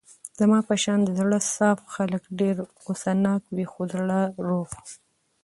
زما په شان د زړه صاف خلګ ډېر غوسه ناکه وي خو زړه روغ.